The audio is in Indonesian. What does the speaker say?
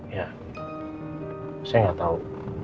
ya saya gak tahu